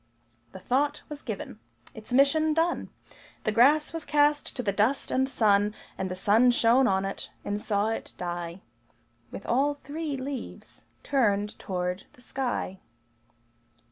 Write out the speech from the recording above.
The thought was given. Its mission done, The grass was cast to the dust and sun; And the sun shone on it, and saw it die With all three leaves turned toward the sky.